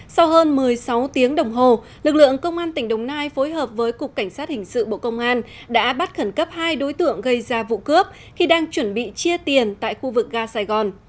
sau hơn một mươi sáu tiếng đồng hồ lực lượng công an tỉnh đồng nai phối hợp với cục cảnh sát hình sự bộ công an đã bắt khẩn cấp hai đối tượng gây ra vụ cướp khi đang chuẩn bị chia tiền tại khu vực ga sài gòn